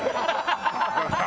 ハハハハ！